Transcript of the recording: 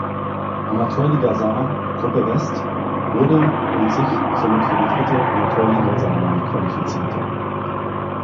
Amateurliga Saar, Gruppe West, wurde und sich somit für die drittklassige Amateurliga Saarland qualifizierte.